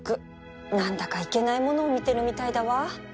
何だかいけないものを見てるみたいだわ